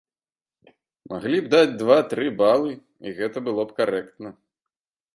Маглі б даць два-тры балы, і гэта было б карэктна.